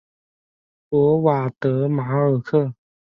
博瓦德马尔克。